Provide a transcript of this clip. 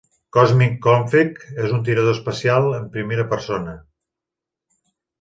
"Cosmic Conflict" és un tirador espacial en primera persona.